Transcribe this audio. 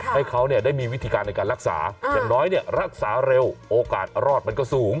ให้เขาได้มีวิธีการในการรักษาอย่างน้อยรักษาเร็วโอกาสรอดมันก็สูง